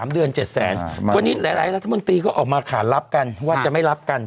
๓เดือน๗แสนวันนี้หลายรัฐมนตรีก็ออกมาขานรับกันว่าจะไม่รับกัน